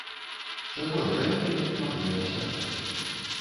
Чаго менавіта ён плануе дасягнуць?